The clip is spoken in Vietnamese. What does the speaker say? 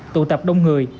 tụ tập đông người